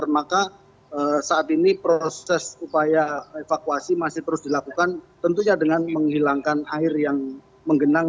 maka saat ini proses upaya evakuasi masih terus dilakukan tentunya dengan menghilangkan air yang menggenang